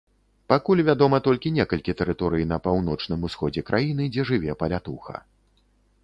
Пакуль вядома толькі некалькі тэрыторый на паўночным усходзе краіны, дзе жыве палятуха.